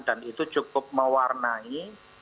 dan itu cukup mewarnai